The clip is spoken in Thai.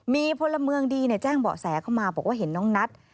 มีพลเมืองดีแจ้งเบาะแสเข้ามาบอกว่าเห็นน้องนัท